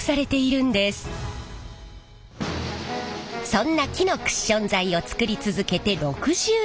そんな木のクッション材を作り続けて６２年。